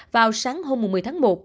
vào sáng hôm một mươi tháng một